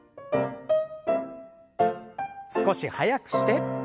少し速くして。